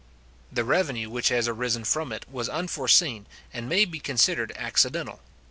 The revenue which has arisen from it was unforeseen, and may be considered as accidental.